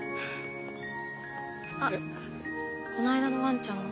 あっこの間のワンちゃんの。